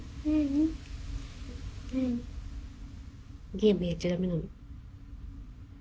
ゲームやっちゃダメなの？